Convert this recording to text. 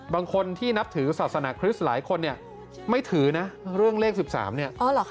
บางคนที่นับถือศาสนาคริสต์หลายคนเนี่ยไม่ถือนะเรื่องเลข๑๓เนี่ย